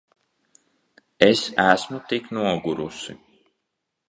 Es esmu tik nogurusi.